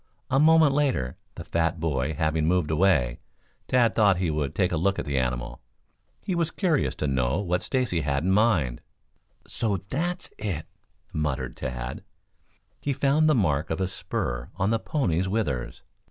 A moment later, the fat boy having moved away; Tad thought he would take a look at the animal. He was curious to know what Stacy had in mind. "So that's it, is it?" muttered Tad. He found the mark of a spur on the pony's withers.